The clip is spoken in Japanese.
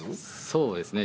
そうですね